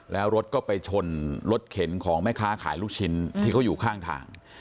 แล้วรถก็ไปชนรถเข็นของแม่ค้าขายลูกชิ้นที่เขาอยู่ข้างทาง